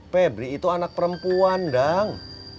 febri itu anak perempuan dang